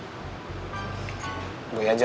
udah dipanggil sama siapa